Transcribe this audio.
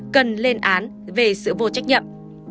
cần lên án về sự vô trách nhiệm